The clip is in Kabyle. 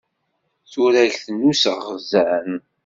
Turagt n useɣẓan.